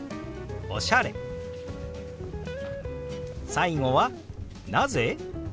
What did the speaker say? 最後は「なぜ？」。